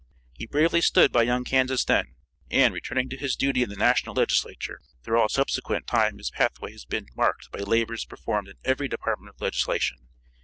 He bravely stood by young Kansas then, and, returning to his duty in the National Legislature, through all subsequent time his pathway has been marked by labors performed in every department of legislation.